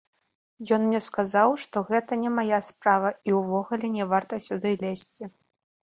Ён мне сказаў, што гэта не мая справа і ўвогуле не варта сюды лезці.